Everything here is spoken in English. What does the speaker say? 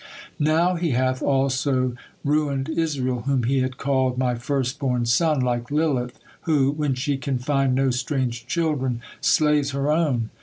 Now He hath also ruined Israel whom He had called, 'My firstborn son,' like Lilith who, when she can find no strange children, slays her own.